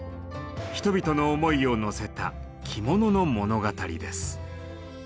人々の思いをのせた着物の物語です。